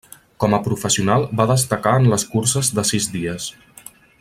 Com a professional va destacar en les curses de sis dies.